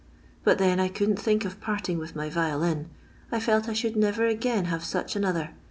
Bol then I eonkin't think of parting with my T ioUa. I fislt I ihottld never again have snch another.